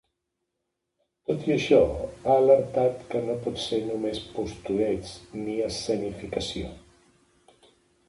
Tot i això, ha alertat que ‘no pot ser només “postureig” ni escenificació’.